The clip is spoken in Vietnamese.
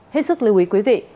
hết sức lưu ý quý vị